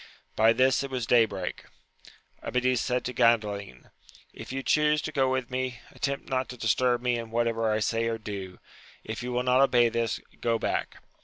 By this it was day break : Amadis said to Gandalin, if you chuse to go with me, attempt not to disturb me in whatever I say or do : if you will not obey this, go back.